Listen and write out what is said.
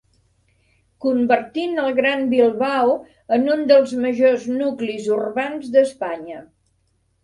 Convertint El Gran Bilbao en un dels majors nuclis urbans d'Espanya.